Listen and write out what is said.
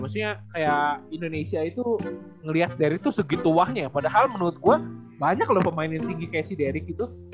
maksudnya kayak indonesia itu ngelihat dari tuh segitu wahnya ya padahal menurut gue banyak loh pemain yang tinggi kayak si deric gitu